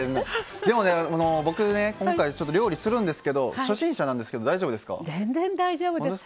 僕ね、今回料理するんですけど初心者なんですけど大丈夫ですか？全然、大丈夫です。